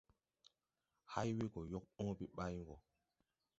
Hay we gɔ yɔg õõbe ɓayn wɔ!